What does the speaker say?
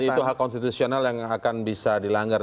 jadi itu hak konstitusional yang akan bisa dilanggar